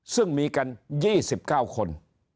ซึ่งมีกัน๒๙คน